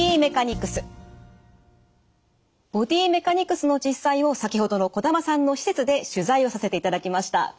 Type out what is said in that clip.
ボディメカニクスの実際を先ほどの児玉さんの施設で取材をさせていただきました。